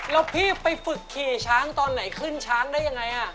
แล้วพี่ไปฝึกขี่ช้างตอนไหนขึ้นช้างได้ยังไง